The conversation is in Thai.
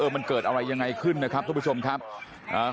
มันเกิดอะไรยังไงขึ้นนะครับทุกผู้ชมครับอ่า